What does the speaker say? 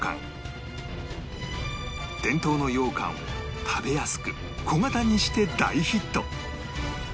伝統の羊羹を食べやすく小形にして大ヒット